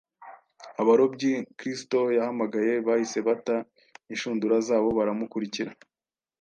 Abarobyi Kristo yahamagaye bahise bata inshundura zabo baramukurikira.